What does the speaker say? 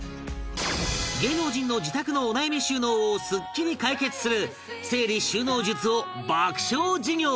芸能人の自宅のお悩み収納をすっきり解決する整理収納術を爆笑授業